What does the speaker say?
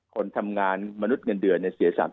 คนทำงานมนุษย์เงินเดือนเสีย๓๐๐